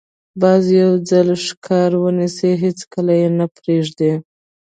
باز یو ځل ښکار ونیسي، هېڅکله یې نه پرېږدي